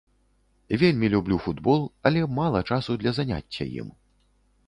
Вельмі люблю футбол, але мала часу для заняцця ім.